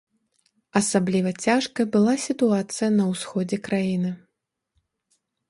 Асабліва цяжкай была сітуацыя на ўсходзе краіны.